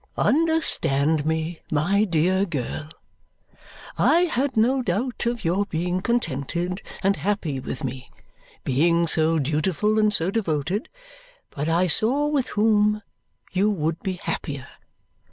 "Understand me, my dear girl. I had no doubt of your being contented and happy with me, being so dutiful and so devoted; but I saw with whom you would be happier.